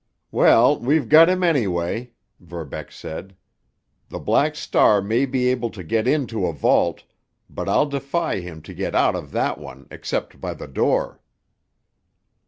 "Well, we've got him, anyway," Verbeck said. "The Black Star may be able to get into a vault, but I'll defy him to get out of that one except by the door."